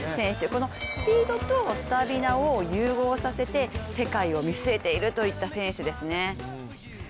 このスピードとスタミナを融合させて世界を見据えているといった選手ですね。